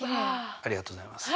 ありがとうございます。